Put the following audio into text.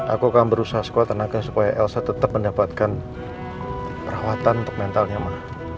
aku akan berusaha sekuat tenaga supaya elsa tetap mendapatkan perawatan untuk mentalnya mah